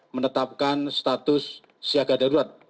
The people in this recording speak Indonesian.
menetapkan status siaga darurat